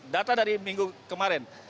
data dari minggu kemarin